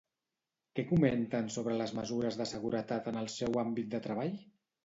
Què comenten sobre les mesures de seguretat en el seu àmbit de treball?